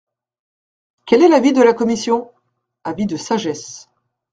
Quel est l’avis de la commission ? Avis de sagesse.